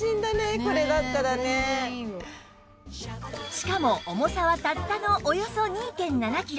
しかも重さはたったのおよそ ２．７ キロ！